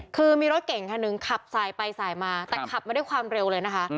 คือมีรถเก่งคันหนึ่งขับสายไปสายมาแต่ขับมาด้วยความเร็วเลยนะคะ